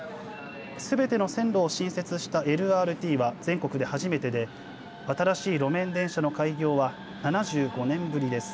すべての線路を新設したＬＲＴは全国で初めてで新しい路面電車の開業は７５年ぶりです。